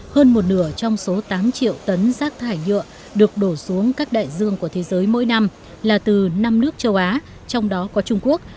hơn một nửa trong số tám triệu tấn rác thải nhựa được đổ xuống các đại dương của thế giới mỗi năm là từ năm nước châu á trong đó có trung quốc